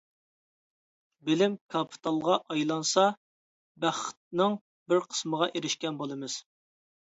بىلىم كاپىتالغا ئايلانسا بەختنىڭ بىر قىسمىغا ئېرىشكەن بولىمىز.